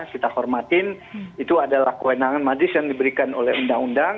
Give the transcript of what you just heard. kita hormatin itu adalah kewenangan majelis yang diberikan oleh undang undang